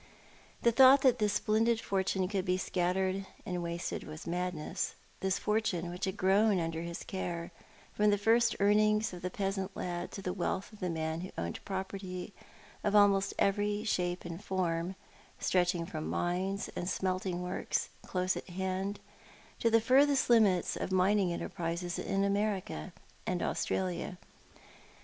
The thought that this splendid fortune could be scattered and wasted was madness — this fortune which had grown under his care, from the first earnings of the peasant lad to the wealth of the man who owned property of almost every shape and form, stretching from mines and smelting works close at hand to the furthest limits of mining enterprise in America and Australia.